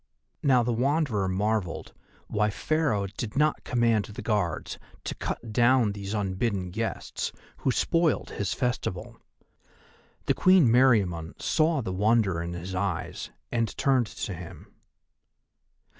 Now the Wanderer marvelled why Pharaoh did not command the Guards to cut down these unbidden guests, who spoiled his festival. The Queen Meriamun saw the wonder in his eyes and turned to him.